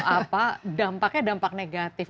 apa dampaknya dampak negatif